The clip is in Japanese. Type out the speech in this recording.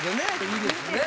いいですね